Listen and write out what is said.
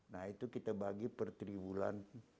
nah itu kita bagi per tribulan